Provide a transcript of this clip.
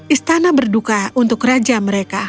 istana berduka untuk raja mereka